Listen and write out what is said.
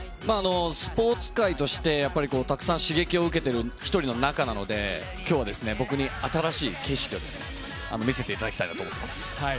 スポーツ界としてたくさん刺激を受けている一人の中なので今日は僕に新しい景色を見せていただきたいなと思います。